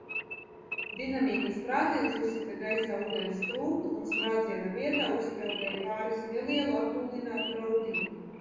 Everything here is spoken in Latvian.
Dinamīta sprādziens uzsita gaisā ūdens strūklu un sprādziena vietā uzpeldēja pāris nelielu apdullinātu raudiņu.